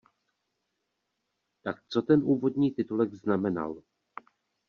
Tak co ten úvodní titulek znamenal.